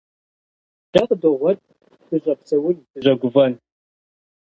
Дэ къыдогъуэт дыщӀэпсэун, дыщӀэгуфӀэн.